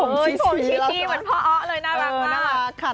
ผมชี้มันพ่ออ๊อเลยน่ารักมาก